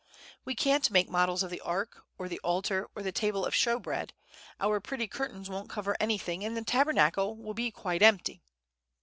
"We can't make models of the Ark, or the Altar, or the Table of Showbread; our pretty curtains won't cover anything, the Tabernacle will be quite empty!"